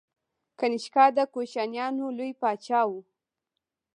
کنیشکا د کوشانیانو لوی پاچا و.